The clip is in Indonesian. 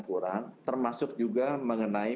kurang termasuk juga mengenai